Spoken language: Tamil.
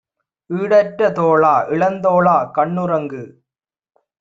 ஈடற்ற தோளா, இளந்தோளா, கண்ணுறங்கு!